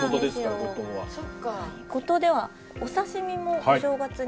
五島ではお刺身もお正月に。